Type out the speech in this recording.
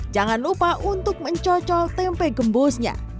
jangan lupa untuk mencocol tempe gembusnya